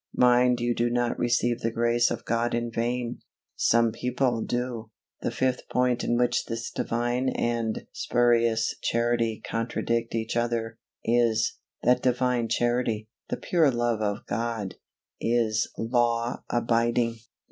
Mind you do not receive the grace of God in vain; some people do. The fifth point in which this Divine and spurious Charity contradict each other, is, that Divine Charity the pure love of God is law abiding.